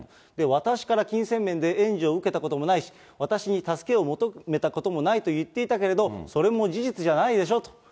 私から金銭面で援助を受けたこともないし、私に助けを求めたこともないと言っていたけども、それも事実じゃないでしょと。